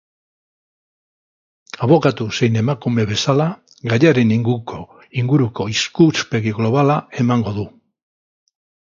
Abokatu zein emakume bezala, gaiaren inguruko ikuspegi globala emango du.